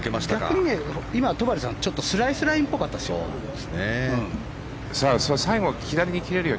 逆に今、戸張さんスライスラインぽかったですよ。